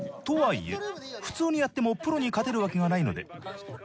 とはいえ普通にやってもプロに勝てるわけがないのでＣＨＯＴｅＮ